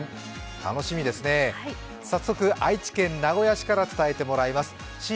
楽しみですね、早速、愛知県名古屋市から伝えてもらいます。